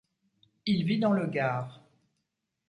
Il vit dans le Gard.